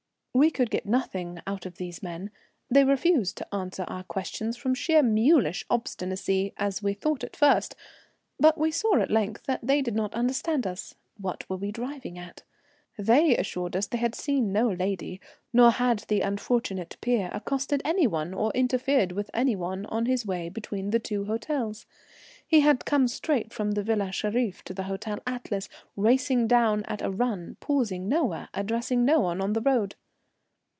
We could get nothing out of these men; they refused to answer our questions from sheer mulish obstinacy, as we thought at first, but we saw at length that they did not understand us. What were we driving at? They assured us they had seen no lady, nor had the unfortunate peer accosted any one, or interfered with any one on his way between the two hotels. He had come straight from the Villa Shereef to the Hotel Atlas, racing down at a run, pausing nowhere, addressing no one on the road.